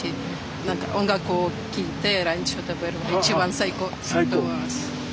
何か音楽を聴いてランチを食べるのが一番最高と思います。